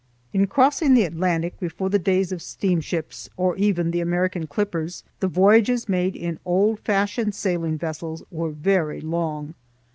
In crossing the Atlantic before the days of steamships, or even the American clippers, the voyages made in old fashioned sailing vessels were very long.